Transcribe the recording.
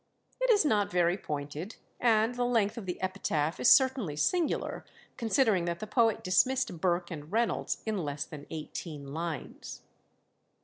It is not very pointed, and the length of the epitaph is certainly singular, considering that the poet dismissed Burke and Reynolds in less than eighteen lines.